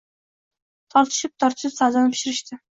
Tortishib-tortishib, savdoni pishirishdi